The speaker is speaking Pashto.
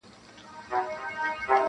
چي نه یې ګټه نه زیان رسېږي,